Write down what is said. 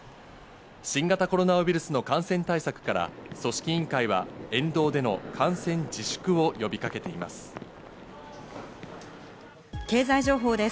新型コロナウイルスの感染対策から組織委員会は沿道での観戦自粛を呼びかけています。